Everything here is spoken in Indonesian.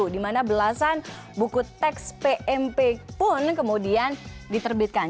di mana belasan buku teks pmp pun kemudian diterbitkan